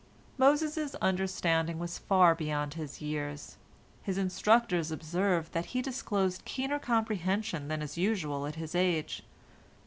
Moses' understanding was far beyond his years; his instructors observed that he disclosed keener comprehension than is usual at his age.